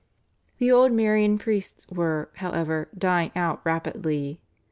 The old Marian priests were, however, dying out rapidly.